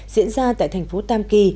diễn ra tại thành phố tam kỳ